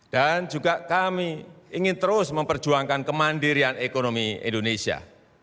dan juga kami ingin terus memperjuangkan kemandirian ekonomi indonesia